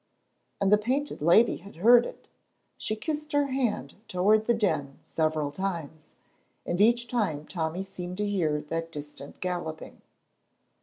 And the Painted Lady had heard it. She kissed her hand toward the Den several times, and each time Tommy seemed to hear that distant galloping.